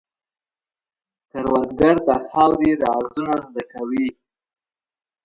کروندګر د خاورې رازونه زده کوي